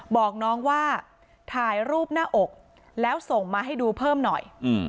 บอกน้องว่าถ่ายรูปหน้าอกแล้วส่งมาให้ดูเพิ่มหน่อย